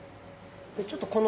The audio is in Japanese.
ちょっとこの。